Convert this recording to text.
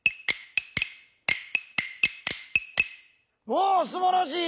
おすばらしい！